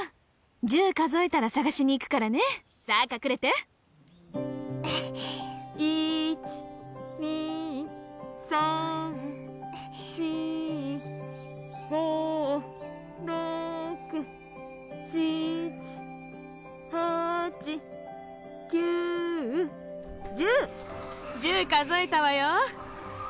１０数えたらさがしに行くからねさあ隠れて１２３４５６７８９１０１０数えたわよ